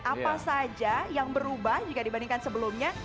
apa saja yang berubah jika dibandingkan sebelumnya